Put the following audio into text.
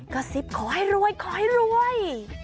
กระซิบขอให้รวย